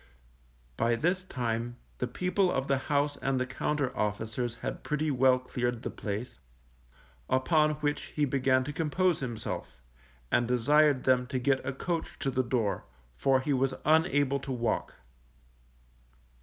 _ By this time the people of the house and the Compter officers had pretty well cleared the place, upon which he began to compose himself, and desired them to get a coach to the door, for he was unable to walk.